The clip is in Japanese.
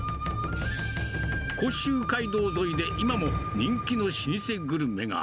甲州街道沿いで今も人気の老舗グルメが。